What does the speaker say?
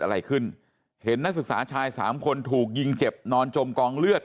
อะไรขึ้นเห็นนักศึกษาชายสามคนถูกยิงเจ็บนอนจมกองเลือด